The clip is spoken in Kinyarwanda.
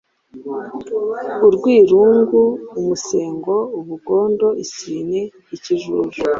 urwirungu, umusengo, ubugondo, isine, ikijuju,